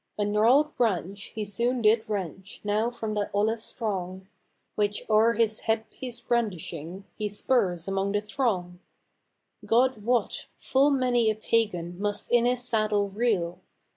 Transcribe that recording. A gnarled branch he soon did wrench now from that olive strong. Which o'er his headpiece brandishing, he spurs among the throng, God wot! full many a Pagan must in his saddle reel!